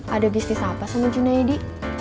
ada bisnis apa sama junaidi